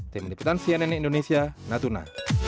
tim liputan cnn indonesia natuna